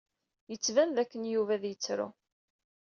Yettban d akken Yuba ad yettru.